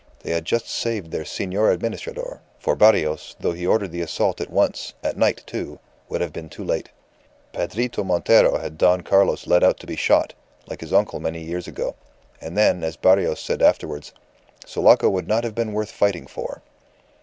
They had just saved their Senor Administrador; for Barrios, though he ordered the assault at once, at night, too, would have been too late. Pedrito Montero had Don Carlos led out to be shot like his uncle many years ago and then, as Barrios said afterwards, 'Sulaco would not have been worth fighting for.